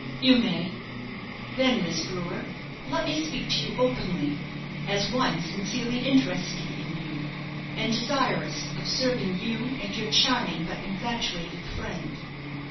"You may." "Then, Miss Brewer, let me speak to you openly, as one sincerely interested in you, and desirous of serving you and your charming but infatuated friend.